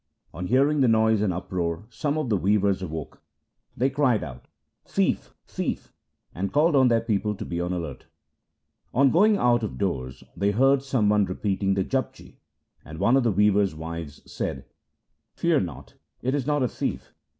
On hearing the noise and uproar, some of the weavers awoke. They cried out, ' Thief ! thief !' and called on their people to be on the alert. On going out of doors they heard some one repeating the Japji, and one of the weavers' wives said, ' Fear not, it is not a thief.